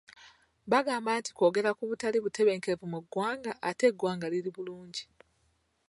Bagamba nti kwogera ku butali butebenkevu mu ggwanga ate eggwanga liri bulungi.